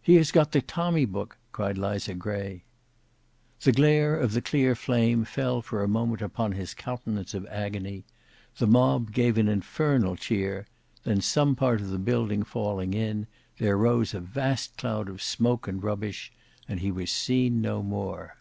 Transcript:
"He has got the tommy book," cried Liza Gray. The glare of the clear flame fell for a moment upon his countenance of agony; the mob gave an infernal cheer; then some part of the building falling in, there rose a vast cloud of smoke and rubbish, and he was seen no more.